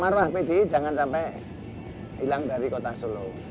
marwah pdi jangan sampai hilang dari kota solo